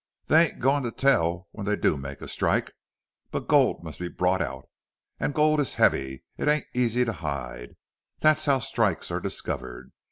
They ain't a goin' to tell when they do make a strike. But the gold must be brought out. An' gold is heavy. It ain't easy hid. Thet's how strikes are discovered.